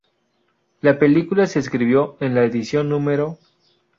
La película se escribió en la edición No.